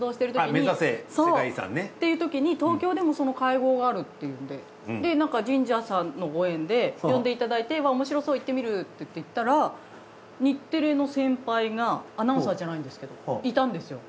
目指せ世界遺産ね。っていうときに東京でもその会合があるっていうんででなんか神社さんのご縁で呼んでいただいておもしろそう行ってみるっていって行ったら日テレの先輩がアナウンサーじゃないんですけどいたんですよ。